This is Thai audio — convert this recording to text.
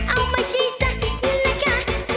เอามาชี้ส่ะนะค่ะนะค่ะ